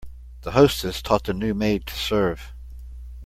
The hostess taught the new maid to serve.